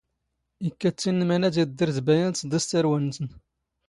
ⵉⴽⴽⴰ ⵜⵜ ⵉⵏⵏ ⵎⴰⵏⴰⴷ ⵉⴷⴷⵔ ⴷ ⴱⴰⵢⴰ ⴷ ⵚⴹⵉⵚ ⵜⴰⵔⵡⴰ ⵏⵏⵙⵏ.